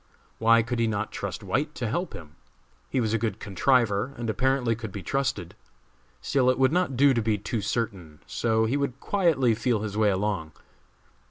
Why could he not trust White to help him? He was a good contriver, and apparently could be trusted. Still it would not do to be too certain, so he would quietly feel his way along.